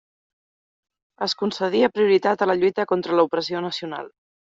Es concedia prioritat a la lluita contra l'opressió nacional.